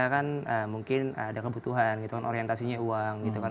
kan mungkin ada kebutuhan gitu kan orientasinya uang gitu kan